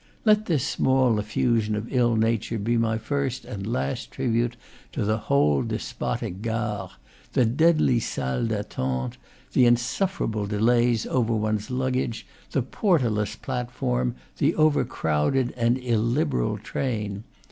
Let this small effusion of ill nature be my first and last tribute to the whole despotic gare: the deadly salle d'attente, the insuffer able delays over one's luggage, the porterless platform, the overcrowded and illiberal train.